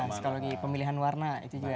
psikologi pemilihan warna itu juga